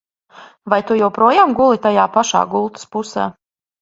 Vai tu joprojām guli tajā pašā gultas pusē?